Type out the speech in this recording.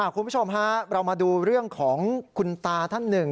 คุณผู้ชมฮะเรามาดูเรื่องของคุณตาท่านหนึ่ง